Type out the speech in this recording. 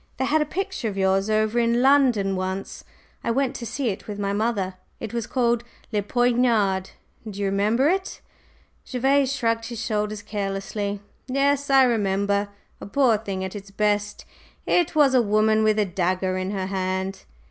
"They had a picture of yours over in London once; I went to see it with my mother. It was called 'Le Poignard,' do you remember it?" Gervase shrugged his shoulders carelessly. "Yes, I remember. A poor thing at its best. It was a woman with a dagger in her hand."